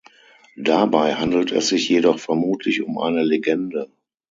Dabei handelt es sich jedoch vermutlich um eine Legende.